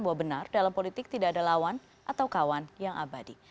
bahwa benar dalam politik tidak ada lawan atau kawan yang abadi